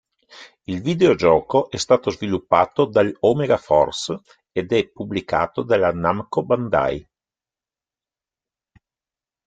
Il videogioco è stato sviluppato dall'Omega Force ed è pubblicato dalla Namco Bandai.